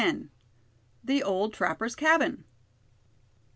THE OLD TRAPPER'S CABIN.